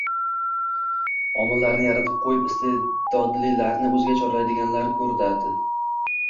omillarni yaratib qo‘yib iste’dodlilarni o‘ziga chorlaydiganlar ko‘radi.